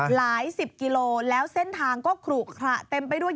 หลายสิบกิโลแล้วเส้นทางก็ขลุขระเต็มไปด้วย